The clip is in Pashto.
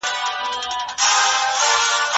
پرته له امنيت څخه پرمختګ ناشونی دی.